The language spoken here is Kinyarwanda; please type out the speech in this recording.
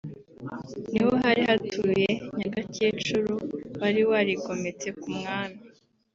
ni ho hari hatuye Nyagakecuru wari warigometse ku mwami